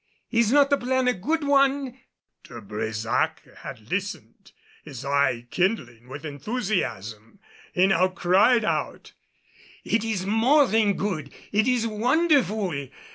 Is not the plan a good one?" De Brésac had listened, his eye kindling with enthusiasm. He now cried out, "It is more than good, it is wonderful!